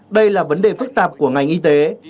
đây là vấn đề phức tạp của ngành y tế